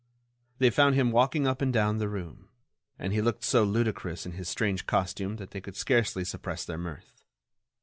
They found him walking up and down the room. And he looked so ludicrous in his strange costume that they could scarcely suppress their mirth.